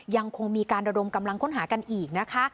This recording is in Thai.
ยังคงมีการระดมกำลังค้นหากันอีกนะคะ